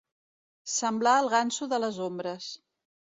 Semblar el ganso de les ombres.